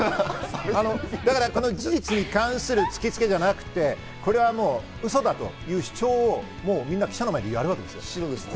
この事実に関する突きつけじゃなくて、これはウソだという主張を記者の前でやるわけです。